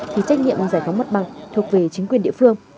thì trách nhiệm giải phóng mặt bằng thuộc về chính quyền địa phương